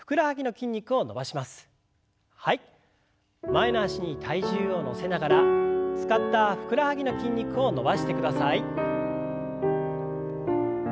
前の脚に体重を乗せながら使ったふくらはぎの筋肉を伸ばしてください。